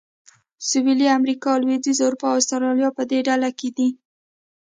سویلي امریکا، لوېدیځه اروپا او اسټرالیا په دې ډله کې دي.